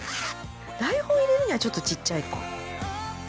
台本入れるにはちょっと小っちゃいか。